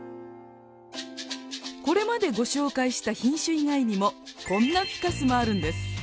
これまでご紹介した品種以外にもこんなフィカスもあるんです。